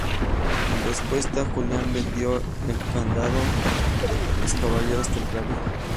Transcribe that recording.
En respuesta, Julián vendió el condado a los caballeros templarios.